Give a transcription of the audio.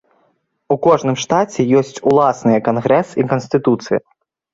У кожным штаце ёсць уласныя кангрэс і канстытуцыя.